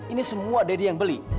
ini semua deddy yang beli